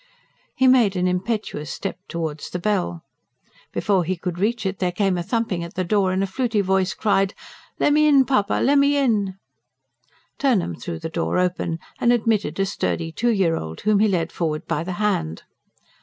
He made an impetuous step towards the bell. Before he could reach it there came a thumping at the door, and a fluty voice cried: "Lemme in, puppa, lemme in!" Turnham threw the door open, and admitted a sturdy two year old, whom he led forward by the hand.